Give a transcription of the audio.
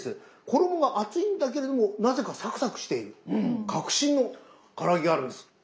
衣は厚いんだけれどもなぜかサクサクしている革新のから揚げがあるんです。